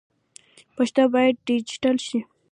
پښتو باید ډيجيټل سي.